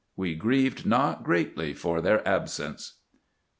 We grieved not greatly for their absence.